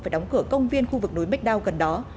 phải đóng cửa công viên khu vực núi macdow gần đó